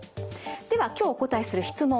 では今日お答えする質問